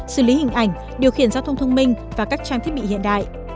xử lý hình ảnh điều khiển giao thông thông minh và các trang thiết bị hiện đại